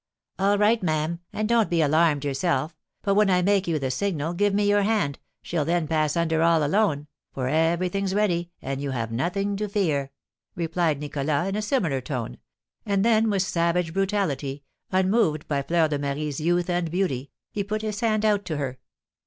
"All right, ma'am; and don't be alarmed yourself, but, when I make you the signal, give me your hand, she'll then pass under all alone, for everything's ready, and you have nothing to fear," replied Nicholas, in a similar tone; and then, with savage brutality, unmoved by Fleur de Marie's youth and beauty, he put his hand out to her.